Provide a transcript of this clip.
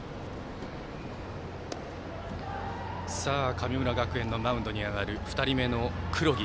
神村学園のマウンドに上がる２人目の黒木。